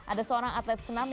ada seorang atlet senam